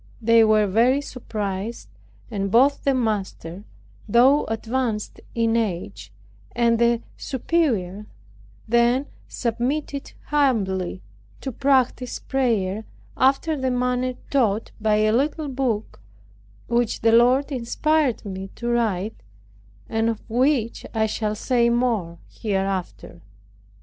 They were very surprised; and both the master, though advanced in age, and his superior then submitted humbly to practice prayer, after the manner taught by a little book, which the Lord inspired me to write, and of which I shall say more hereafter.